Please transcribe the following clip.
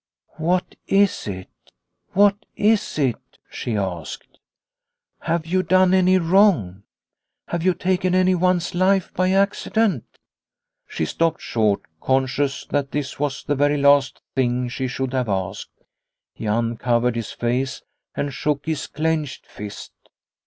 "What is it? What is it ?''' she asked. " Have you done any wrong ? Have you taken anyone's life by accident ?" 260 Liliecrona's Home She stopped short, conscious that this was the very last thing she should have asked. He uncovered his face and shook his clenched fist.